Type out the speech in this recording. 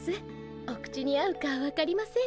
お口に合うか分かりませんが。